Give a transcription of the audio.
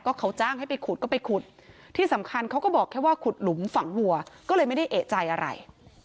เขาจ้างให้ไปขุดก็ไปขุดที่สำคัญเขาก็บอกแค่ว่าขุดหลุมฝังวัวก็เลยไม่ได้เอกใจอะไร